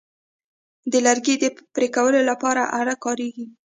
د لرګي د پرې کولو لپاره آره کاریږي.